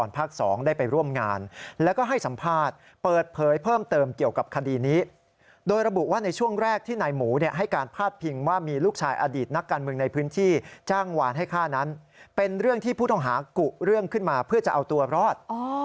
พลาดผิงว่ามีลูกชายอดีตนักการเมืองในพื้นที่จ้างหวานให้ฆ่านั้นเป็นเรื่องที่ผู้ต้องหากุเรื่องขึ้นมาเพื่อจะเอาตัวรอดอ๋อ